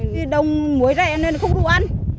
đông muối rẻ nên không đủ ăn